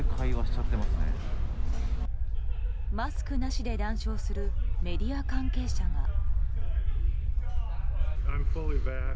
マスクなしで談笑するメディア関係者が。